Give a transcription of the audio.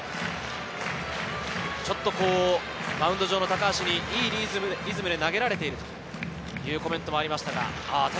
マウンド上の高橋にいいリズムで投げられているというコメントもありました。